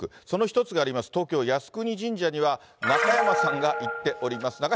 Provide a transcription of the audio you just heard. その一つがあります、東京・靖国神社には、中山さんが行っております。